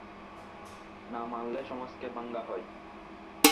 না মানলে সমাজকে ভাঙা হয়।